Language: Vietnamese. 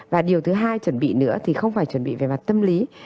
và điều thứ hai chuẩn bị nữa thì không phải chuẩn bị về mặt tâm lý